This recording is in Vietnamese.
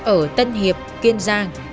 ở tân hiệp kiên giang